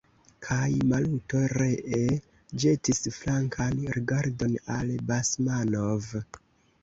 Kaj Maluto ree ĵetis flankan rigardon al Basmanov.